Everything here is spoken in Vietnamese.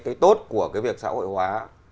cái tốt của cái việc xã hội hóa